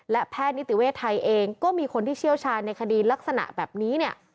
และแพทย์นิติเวศไทยเองก็มีคนที่เชี่ยวชาญในคดีลักษณะแบบนี้เนี่ย